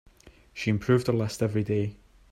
She improved her list every day.